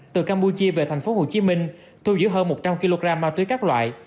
từ campuchia về thành phố hồ chí minh thu giữ hơn một trăm linh kg ma túy các loại